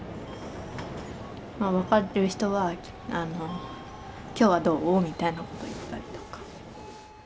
まあ分かる人は今日はどう？みたいなことを言ったりとか。